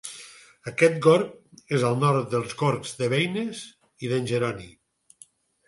Aquest gorg és al nord dels gorgs de Beines i d'en Jeroni.